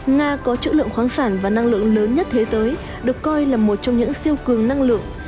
nga có chữ lượng khoáng sản và năng lượng lớn nhất thế giới được coi là một trong những siêu cường năng lượng